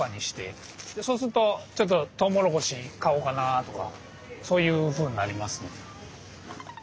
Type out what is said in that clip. そうするとちょっとトウモロコシ買おうかなとかそういうふうになります。